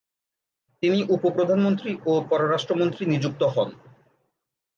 তিনি উপ-প্রধানমন্ত্রী ও পররাষ্ট্রমন্ত্রী নিযুক্ত হন।